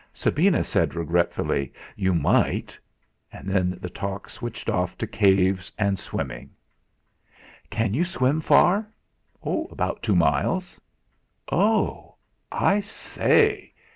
Sabina said regretfully: "You might!" Then the talk switched off to caves and swimming. "Can you swim far?" "About two miles." "Oh!" "I say!"